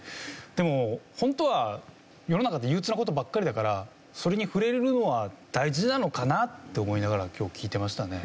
でもホントは世の中って憂鬱な事ばっかりだからそれに触れるのは大事なのかなって思いながら今日聞いてましたね。